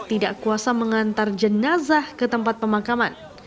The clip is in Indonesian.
tidak kuasa mengantar jenazah ke tempat pemakaman